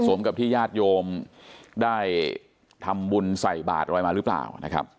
กับที่ญาติโยมได้ทำบุญใส่บาทอะไรมาหรือเปล่านะครับ